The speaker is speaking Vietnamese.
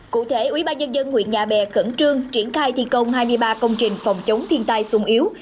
cụ thể ubnd huyện nhà bè cẩn trương triển khai thi công hai mươi ba công trình phòng chống thiên tai sung yếu